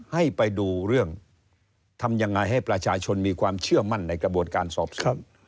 ให้ไปดูเรื่องทำยังไงให้ประชาชนมีความเชื่อมั่นในกระบวนการสอบสวน